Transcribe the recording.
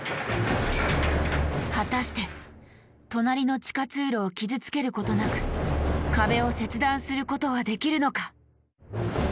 果たして隣の地下通路を傷つけることなく壁を切断することはできるのか？